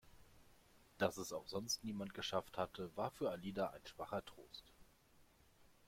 Dass es auch sonst niemand geschafft hatte, war für Alida ein schwacher Trost.